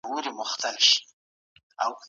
ایا ملي بڼوال ممیز اخلي؟